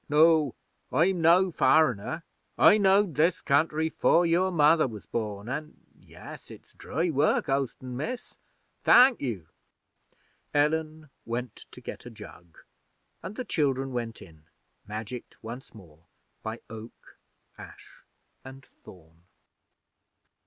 'No, I'm no foreigner. I knowed this country 'fore your mother was born; an' yes, it's dry work oastin', Miss. Thank you.' Ellen went to get a jug, and the children went in magicked once more by Oak, Ash, and Thorn!